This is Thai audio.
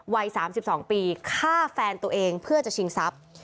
วัย๓๒ปีฆ่าแฟนตัวเองเพื่อจะชิงทรัพย์